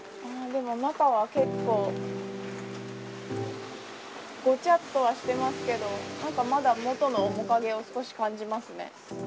でも中は結構ごちゃっとはしていますけどまだ元の面影を少し感じますね。